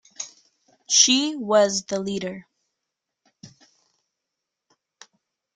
She was the leader.